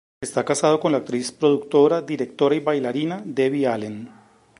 Está casado con la actriz, productora, directora y bailarina Debbie Allen.